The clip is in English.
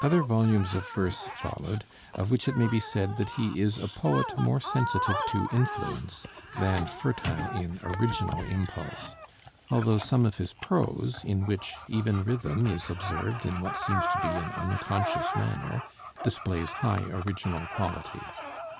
Other volumes of verse followed, of which it may be said that he is a poet more sensitive to influence than fertile in original impulse; although some of his prose, in which even rhythm is observed in what seems to be an unconscious manner, displays high original quality.